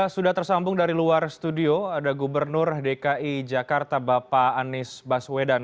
sudah tersambung dari luar studio ada gubernur dki jakarta bapak anies baswedan